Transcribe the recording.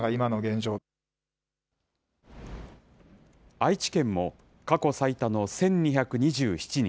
愛知県も、過去最多の１２２７人。